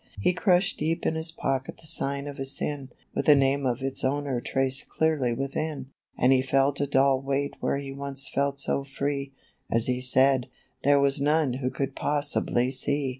He crushed deep in his pocket the sign of his sin, With the name of its owner traced clearly within ; And he felt a dull weight where he once felt so free, As he said, " There was none who could possibly see."